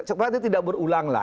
sepertinya tidak berulang lah